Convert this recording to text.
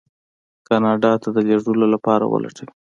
کاناډا ته د لېږلو لپاره ولټوي.